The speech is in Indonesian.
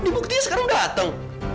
dibuktinya sekarang dateng